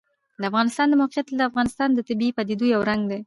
د افغانستان د موقعیت د افغانستان د طبیعي پدیدو یو رنګ دی.